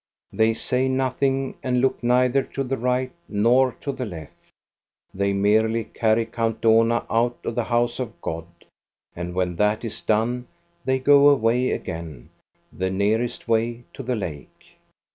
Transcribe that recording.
They say nothing, and look neither to the right nor to the left. They merely carry Count Dohna out of the house of Grod, and when that is done, they go away again, the nearest way to the lake.